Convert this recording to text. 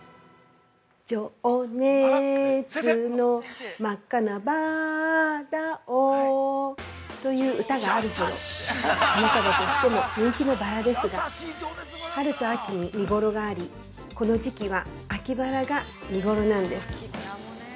◆情熱の真っ赤なバラをという歌があるほど花束としても人気のバラですが春と秋に見ごろがありこの時期は秋バラが見ごろなんです。